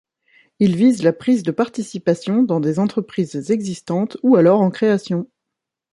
Il vise la prise de participations dans des entreprises existantes ou alors en création.